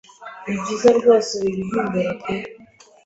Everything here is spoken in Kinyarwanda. Nibyiza rwose wibihindura pe.